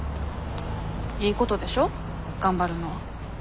いいことでしょ頑張るのは。